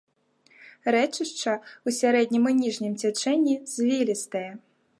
Рэчышча ў сярэднім і ніжнім цячэнні звілістае.